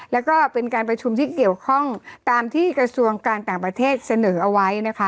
แล้วก็เป็นการประชุมที่เกี่ยวข้องตามที่กระทรวงการต่างประเทศเสนอเอาไว้นะคะ